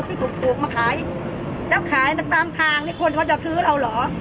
ที่ถูกปลูกมาขายแล้วขายตามทางนี่คนเขาจะซื้อเราเหรอ